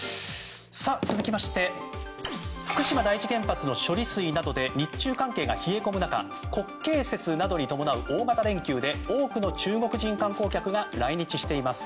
続きまして福島第一原発の処理水などで日中関係が冷え込む中国慶節などに伴う大型連休で多くの中国人観光客が来日しています。